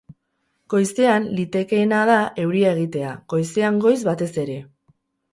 Goizean, litekeena da euria egitea, goizean goiz batez ere.